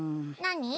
何？